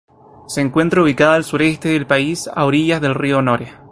Se encuentra ubicada al sureste del país, a orillas del río Nore.